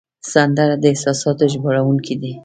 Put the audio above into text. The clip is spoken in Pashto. سندره د احساساتو ژباړونکی ده